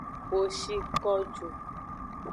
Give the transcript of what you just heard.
Wo shi ko ju.